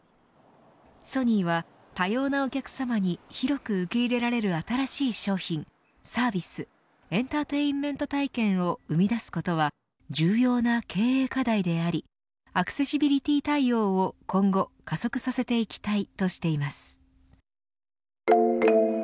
ソニーは、多様なお客様に広く受け入れられる新しい商品サービス、エンターテインメント体験を生み出すことは重要な経営課題でありアクセシビリティ対応を今後加速させていきたいとしています。